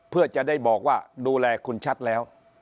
เพื่อจะได้บอกว่าดูแลคุณชัดแล้ว